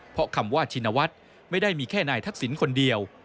เพราะคำว่าชินวัฒน์ไม่ได้มีแค่นายทักษิณคนเดียว